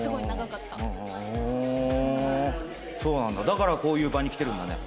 だからこういう場に来てるんだね。